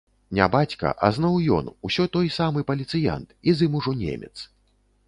Не бацька, а зноў ён, усё той самы паліцыянт, і з ім ужо немец.